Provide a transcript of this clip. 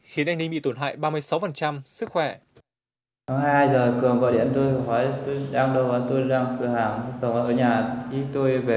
khiến anh đi bị tổn hại ba mươi sáu sức khỏe